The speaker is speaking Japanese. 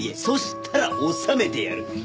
そしたら治めてやる。